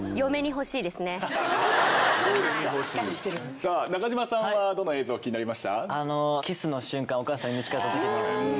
さあ中島さんはどの映像気になりました？